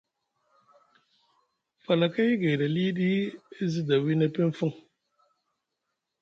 Falakay gayɗi aliɗi e zi sda wiini epinfuŋ.